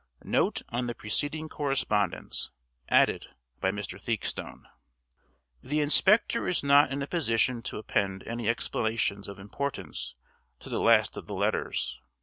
NOTE ON THE PRECEDING CORRESPONDENCE, ADDED BY MR. THEAKSTONE. The inspector is not in a position to append any explanations of importance to the last of the letters.